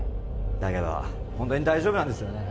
だけど本当に大丈夫なんですよね？